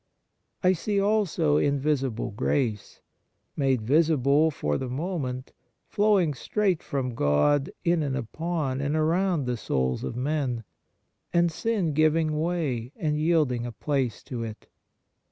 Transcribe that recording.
I see also invisible grace, m.ade visible for the moment, flowing straight from God in and upon and around the souls of men, and sin giving way and yielding a place to it.